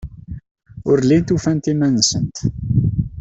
Ur llint ufant iman-nsent.